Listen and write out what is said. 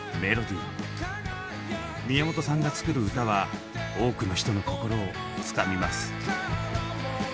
宮本さんが作る歌は多くの人の心をつかみます。